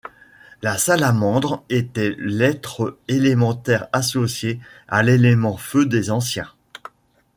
La salamandre était l'être élémentaire associé à l'élément Feu des Anciens.